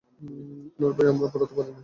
উনার বই আমরা পোড়াতে পারি না!